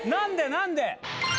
何で？